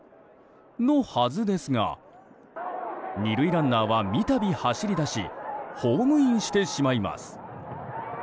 のはずですが２塁ランナーは三度走り出しホームインしてしまいます。